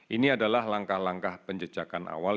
ini adalah langkah langkah penjejakan awal